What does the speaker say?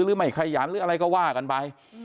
หรือไม่ขยันหรืออะไรก็ว่ากันไป